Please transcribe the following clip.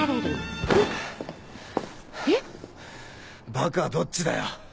バカはどっちだよ。